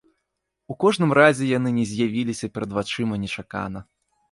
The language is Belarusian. У кожным разе яны не з'явіліся перад вачыма нечакана.